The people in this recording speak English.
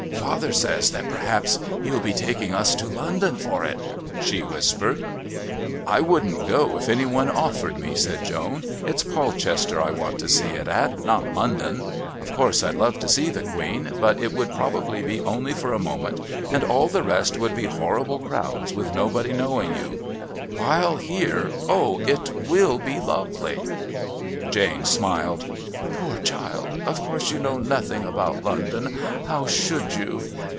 "Father says that perhaps he'll be taking us to London for it," she whispered. "I wouldn't go if any one offered me," said Joan. "It's Polchester I want to see it at, not London. Of course I'd love to see the Queen, but it would probably be only for a moment, and all the rest would be horrible crowds with nobody knowing you. While here! Oh! it will be lovely!" Jane smiled. "Poor child. Of course you know nothing about London. How should you?